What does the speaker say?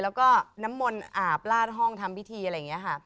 แล้วก็น้ำมนต์อาบลาดห้องทำพิธีอะไรอย่างนี้ค่ะ